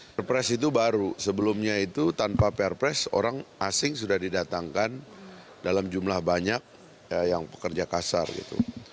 perpres itu baru sebelumnya itu tanpa perpres orang asing sudah didatangkan dalam jumlah banyak yang pekerja kasar gitu